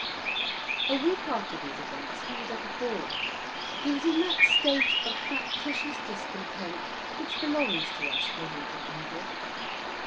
A week after these events he was at a ball. He was in that state of factitious discontent which belongs to us amiable English.